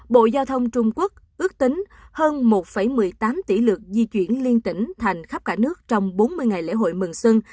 bộ giao thông trung quốc ước tính hơn một một mươi tám tỷ lượt di chuyển liên tỉnh thành khắp cả nước trong bốn mươi ngày lễ hội mừng xuân